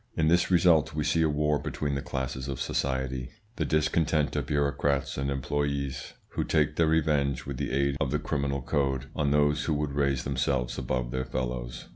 ... In this result we see a war between the classes of society, the discontent of bureaucrats and employes, who take their revenge with the aid of the criminal code on those who would raise themselves above their fellows.